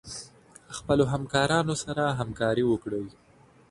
خپلو همکارانو سره همکاري وکړئ.